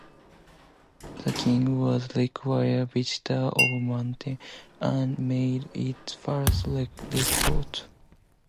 The king was a regular visitor to Weymouth and made it 'the first resort'.